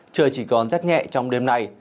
trời chỉ còn rất nhẹ trong đêm này